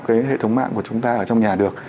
cái hệ thống mạng của chúng ta ở trong nhà được